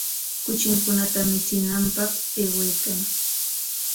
Kuchinkunata michinanpaq aywaykan.